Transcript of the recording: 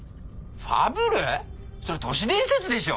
ファブル⁉それ都市伝説でしょ。